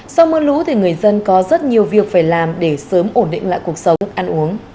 sau mưa lũ thì người dân có rất nhiều việc phải làm để sớm ổn định lại cuộc sống ăn uống